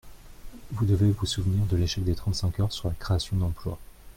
Vous devez vous souvenir de l’échec des trente-cinq heures sur la création d’emplois.